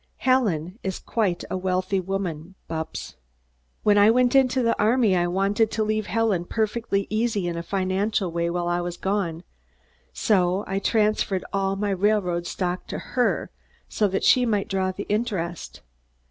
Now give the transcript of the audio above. "Helen is quite a wealthy woman, Bupps. When I went into the army I wanted to leave Helen perfectly easy in a financial way while I was gone, so I transferred all my railroad stock to her, so that she might draw the interest.